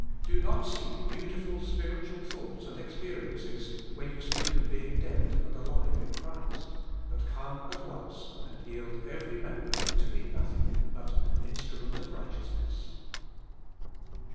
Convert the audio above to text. Do not seek beautiful spiritual thoughts and experi ences when you speak of being dead and alive in Christ, but come at once and yield every member to be nothing but an instrument of righteousness.